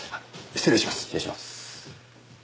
失礼します。